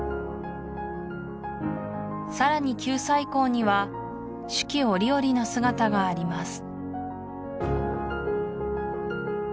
さらに九寨溝には四季折々の姿があります